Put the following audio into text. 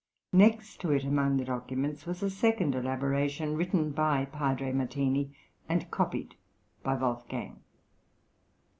Next to it among the documents was a second elaboration written by Padre Martini, and copied by Wolfgang.